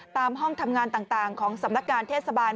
ตามห้องทำงานต่างของสำนักงานเทศบาล